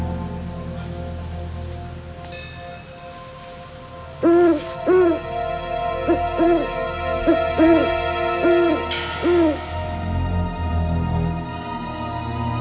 tidak ada yang bisa diberikan